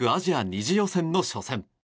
２次予選の初戦。